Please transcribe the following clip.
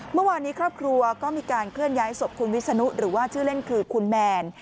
เมื่อวานนี้ครอบครัวก็มีการเคลื่อนย้ายศพคุณวิศนุหรือว่าชื่อเล่นคือคุณแมน